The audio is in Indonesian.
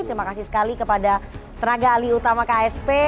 terima kasih sekali kepada tenaga alih utama ksp